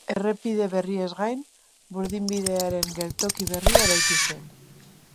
Errepide berriez gain, burdinbidearen geltoki berria eraiki zen.